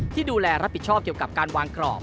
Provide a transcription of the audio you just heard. ที่ดูแลรับผิดชอบเกี่ยวกับการวางกรอบ